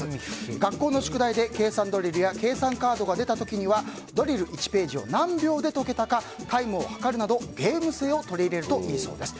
学校の宿題で計算ドリルや計算カードが出た時にはドリル１ページを何秒で解けたかタイムを計るなどゲーム性を取り入れるといいそうです。